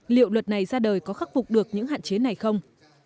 liệu luật này ra đời có khắc phục được những hạn chế này không